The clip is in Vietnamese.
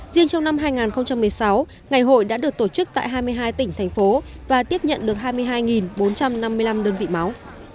riêng trong năm hai nghìn một mươi sáu ngày hội đã được tổ chức tại hai mươi hai tỉnh thành phố và tiếp nhận được hai mươi hai bốn trăm năm mươi năm đơn vị máu